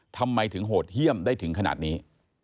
ทำไมถึงโหดเยี่ยมได้ถึงขนาดนี้